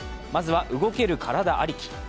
まずは動ける体ありき。